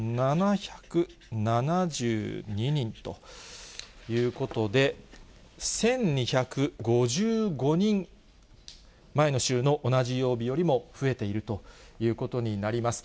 ２７７２人ということで、１２５５人、前の週の同じ曜日よりも増えているということになります。